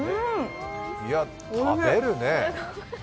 いや、食べるね。